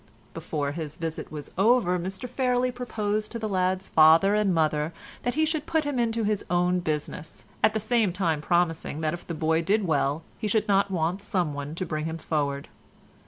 Before his visit was over Mr Fairlie proposed to the lad's father and mother that he should put him into his own business, at the same time promising that if the boy did well he should not want some one to bring him forward.